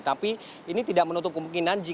tapi ini tidak menutup kemungkinan